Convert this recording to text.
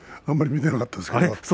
あまり見ていなかったですね。